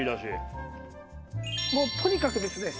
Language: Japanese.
もうとにかくですね